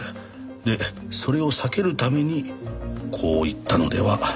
でそれを避けるためにこう行ったのではないでしょうか。